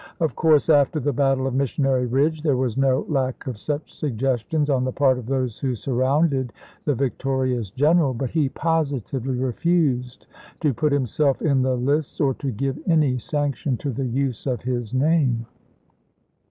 Of course, after the battle of Missionary Ridge there was no lack of such suggestions on the part of those who surrounded the victorious general ; but he positively refused to put himself in the lists or to give any sanction to the use of his name.